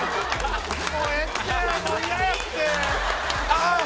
ああ！